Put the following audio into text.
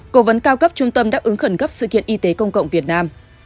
cố vấn cao cấp trung tâm đáp ứng khẩn cấp sự kiện y tế công cộng việt nam